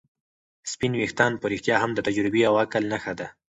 سپین ويښتان په رښتیا هم د تجربې او عقل نښه ده.